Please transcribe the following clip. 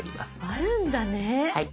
あるんだね。